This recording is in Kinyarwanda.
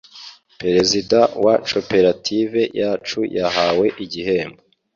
perezida wa coperative yacu yahawe igihembo